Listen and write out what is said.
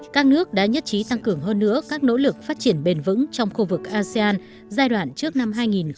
các nước đã nhất trí tăng cường hơn nữa các nỗ lực phát triển bền vững trong khu vực asean giai đoạn trước năm hai nghìn hai mươi năm